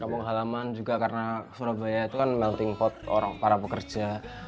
kampung halaman juga karena surabaya itu kan melting pot para pekerja